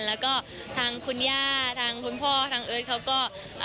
แล้วก็ทางคุณย่าทางคุณพ่อทางเอิร์ทเขาก็